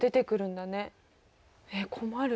えっ困る。